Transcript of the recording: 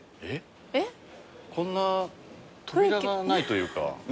こんな扉がないというか。